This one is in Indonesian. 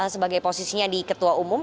sebagai posisinya di ketua umum